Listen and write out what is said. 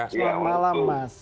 selamat malam mas